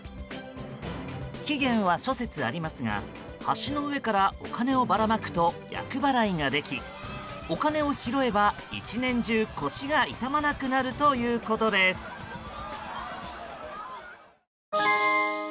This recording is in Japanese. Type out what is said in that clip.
起源は諸説ありますが橋の上からお金をばらまくと厄払いができお金を拾えば１年中腰が痛まなくなるということです。